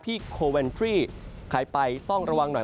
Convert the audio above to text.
โคแวนทรี่ใครไปต้องระวังหน่อย